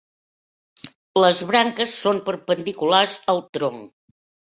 Les branques són perpendiculars al tronc.